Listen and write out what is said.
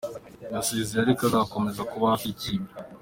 Yasezeye ariko azakomeza kuba hafi y’ikipe.